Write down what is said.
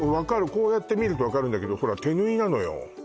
こうやって見ると分かるんだけど手縫いなのよ